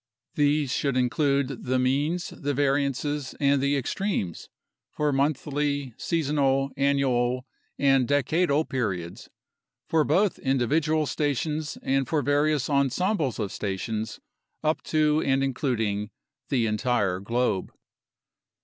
These should include the means, the variances, and the ex tremes for monthly, seasonal, annual, and decadal periods, for both individual stations and for various ensembles of stations up to and in cluding the entire globe.